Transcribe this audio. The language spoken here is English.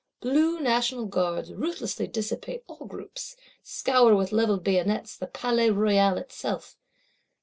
Blue National Guards ruthlessly dissipate all groups; scour, with levelled bayonets, the Palais Royal itself.